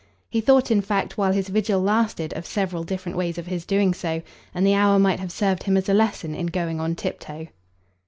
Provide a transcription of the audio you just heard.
He thought in fact while his vigil lasted of several different ways for his doing so, and the hour might have served him as a lesson in going on tiptoe.